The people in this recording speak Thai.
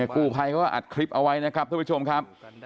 กู้ภัยเขาก็อัดคลิปเอาไว้นะครับท่านผู้ชมครับ